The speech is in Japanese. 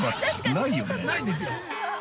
◆ないんですよ。